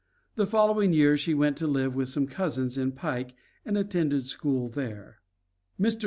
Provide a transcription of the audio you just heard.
The following year she went to live with some cousins in Pike and attend the school there. Mr.